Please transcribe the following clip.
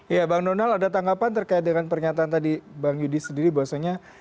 ya bang donal ada tanggapan terkait dengan pernyataan tadi bang yudi sendiri bahwasanya